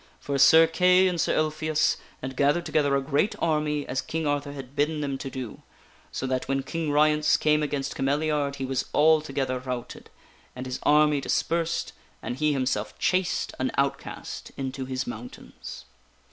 For Sir Kay and Sir Ulfius had gathered together a great army as King Arthur had bidden them to do, so that when King Ryence came against Cameliard he was altogether routed, and his army dispersed, and he himself chased, an outcast, into his mountains.